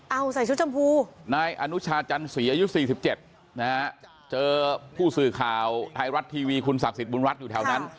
เอาใส่ชุดชมพูนายอนุชาจันสีอายุ๔๗นะฮะเจอผู้สื่อข่าวไทยรัฐทีวีคุณศักดิ์สิทธิบุญรัฐอยู่แถวนั้น